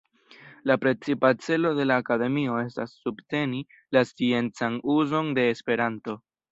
La precipa celo de la akademio estas subteni la sciencan uzon de Esperanto.